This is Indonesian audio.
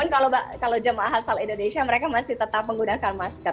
kalau jemaah asal indonesia mereka masih tetap menggunakan masker